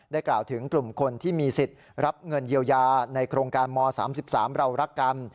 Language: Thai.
กล่าวถึงกลุ่มคนที่มีสิทธิ์รับเงินเยียวยาในโครงการม๓๓เรารักกัน